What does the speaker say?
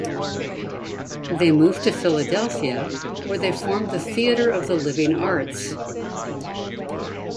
They moved to Philadelphia where they formed the Theatre of the Living Arts.